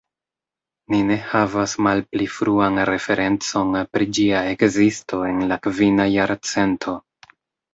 Ni ne havas malpli fruan referencon pri ĝia ekzisto en la kvina jarcento.